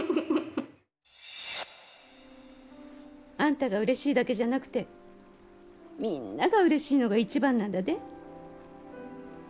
あんたがうれしいだけじゃなくてみぃんながうれしいのが一番なんだで。